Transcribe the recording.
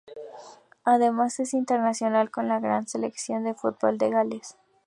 Además, es internacional con la selección de fútbol de Gales.